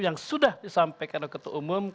yang sudah disampaikan oleh ketua umum